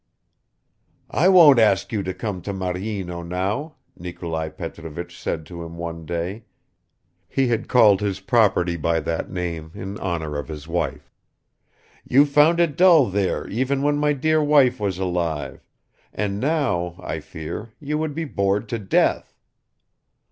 "I won't ask you to come to Maryino now," Nikolai Petrovich said to him one day (he had called his property by that name in honor of his wife); "you found it dull there even when my dear wife was alive, and now, I fear, you would be bored to death."